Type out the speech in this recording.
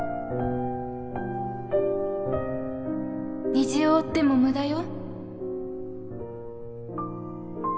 虹を追っても無駄よ。